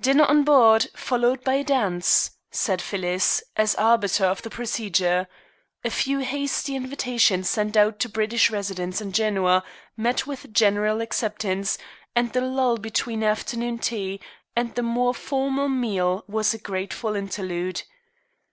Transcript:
"Dinner on board, followed by a dance," said Phyllis, as arbiter of the procedure. A few hasty invitations sent out to British residents in Genoa met with general acceptance, and the lull between afternoon tea and the more formal meal was a grateful interlude.